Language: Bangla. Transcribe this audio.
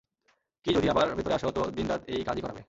কী যদি, আবার ভেতরে আসো, তো দিন-রাত এই কাজই করাবে।